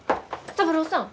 三郎さん